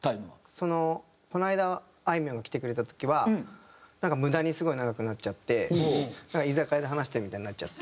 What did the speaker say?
そのこの間あいみょんが来てくれた時はなんか無駄にすごい長くなっちゃって居酒屋で話してるみたいになっちゃって。